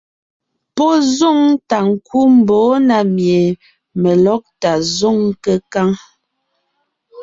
Pɔ́ zoŋ tà ńkú mbɔ̌ na mie melɔ́gtà zǒŋ kékáŋ.